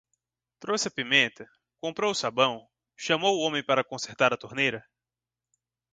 Trouxe a pimenta? Comprou o sabão? Chamou o homem para consertar a torneira?